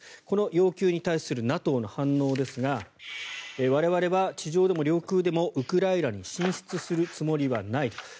この要求に対するＮＡＴＯの反応ですが我々は地上でも領空でもウクライナに進出するつもりはないと。